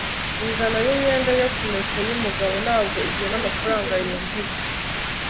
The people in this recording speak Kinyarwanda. ingano yimyenda yo kumesa yumugabo ntabwo igena amafaranga yinjiza